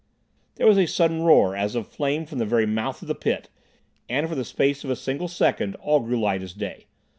There was a sudden roar as of flame from the very mouth of the pit, and for the space of a single second all grew light as day.